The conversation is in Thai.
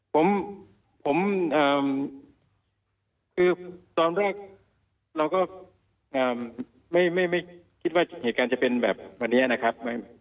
ผมคือตอนแรกเราก็ไม่คิดว่าเหตุการณ์จะเป็นแบบวันนี้นะครับ